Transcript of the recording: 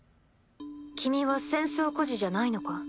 君は戦争孤児じゃないのか？